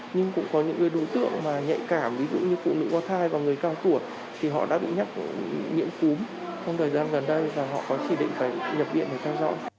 nhưng cũng có những đối tượng nhạy cảm ví dụ như phụ nữ qua thai và người cao tuổi thì họ đã đủ nhắc nghiệm cúm trong thời gian gần đây và họ chỉ định phải nhập viện để theo dõi